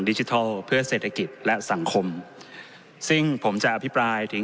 ดิจิทัลเพื่อเศรษฐกิจและสังคมซึ่งผมจะอภิปรายถึง